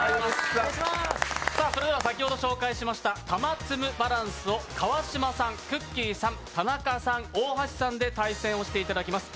それでは、先ほど紹介しました「たまつむバランス」を川島さん、くっきー！さん、田中さん大橋さんで対戦をしていただきます。